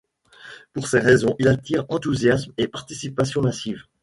Pour ces raisons il attire enthousiasme et participation massive.